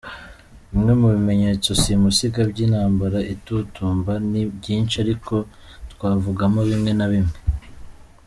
Bimwe mu bimenyetso simusiga by’intambara itutumba ni byinshi ariko twavugamo bimwe na bimwe: